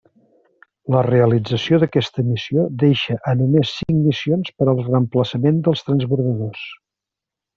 La realització d'aquesta missió deixa a només cinc missions per al reemplaçament dels Transbordadors.